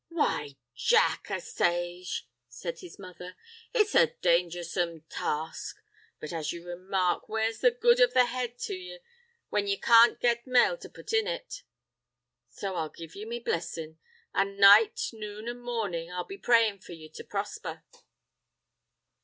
"Why, Jack, a thaisge," says his mother, "it's a dangersome task; but as you remark, where's the good of the head to ye when ye can't get mail to put in it? So I give ye my blissin', an' night, noon, an' mornin' I'll be prayin' for ye to prosper."